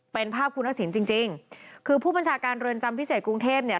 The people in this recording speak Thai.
เป็นภาพคุณทักษิณจริงจริงคือผู้บัญชาการเรือนจำพิเศษกรุงเทพเนี่ย